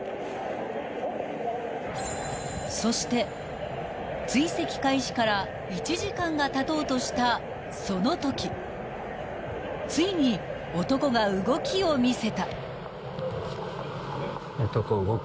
［そして追跡開始から１時間がたとうとしたそのときついに男が動きを見せた］